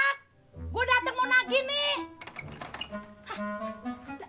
rojak gua dateng mau nagi nih